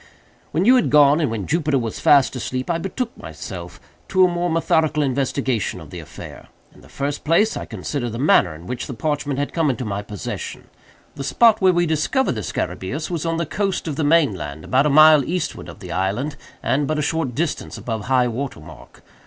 "When you had gone, and when Jupiter was fast asleep, I betook myself to a more methodical investigation of the affair. In the first place I considered the manner in which the parchment had come into my possession. The spot where we discovered the scarabæus was on the coast of the main land, about a mile eastward of the island, and but a short distance above high water mark.